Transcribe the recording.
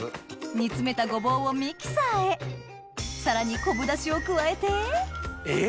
煮詰めたごぼうをミキサーへさらに昆布だしを加えてえっ？